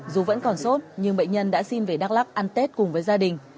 dù vẫn còn sốt nhưng bệnh nhân đã xin về đắk lắc ăn tết cùng với gia đình